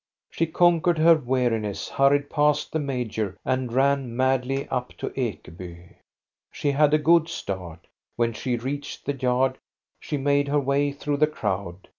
She conquered her weariness, hurried past the major, and ran madly up to Ekeby. She had a good start. When she reached the yard, she made her way through the crowd.